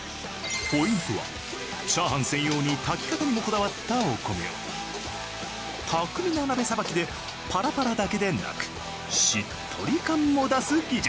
ポイントは炒飯専用に炊き方にもこだわったお米を巧みな鍋さばきでパラパラだけでなくしっとり感も出す技術。